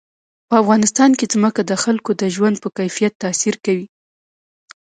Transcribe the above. په افغانستان کې ځمکه د خلکو د ژوند په کیفیت تاثیر کوي.